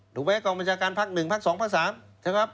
หรือว่ากองบัญชาการพัก๑พัก๒พัก๓